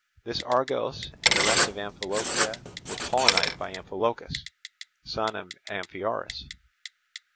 This Argos and the rest of Amphilochia were colonized by Amphilochus, son of Amphiaraus.